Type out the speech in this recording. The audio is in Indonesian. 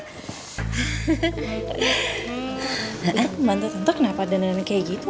itu pembantu tante kenapa dandanin kayak gitu